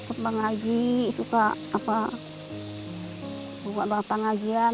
suka mengaji suka buat bapak ngajian